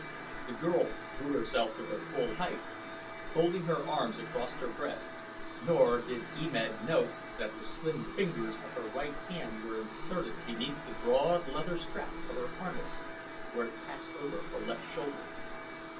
The girl drew herself to her full height, folding her arms across her breast, nor did E Med note that the slim fingers of her right hand were inserted beneath the broad leather strap of her harness where it passed over her left shoulder.